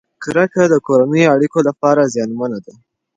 کرکه د کورنیو اړیکو لپاره زیانمنه ده.